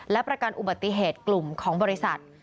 และประกันอุบัติเหตุกลุ่มของบริษัท